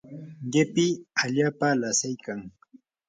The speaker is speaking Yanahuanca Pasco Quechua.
qipi allaapam lasaykan.